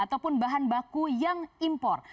ataupun bahan baku yang impor